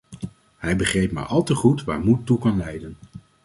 Hij begreep maar al te goed waar moed toe kan leiden.